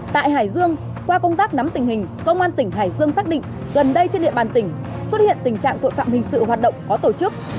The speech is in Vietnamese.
tại hải dương qua công tác nắm tình hình công an tỉnh hải dương xác định gần đây trên địa bàn tỉnh xuất hiện tình trạng tội phạm hình sự hoạt động có tổ chức